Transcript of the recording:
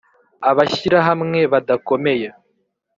abashyirahamwe badakomeye